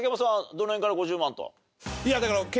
どの辺から５０万と。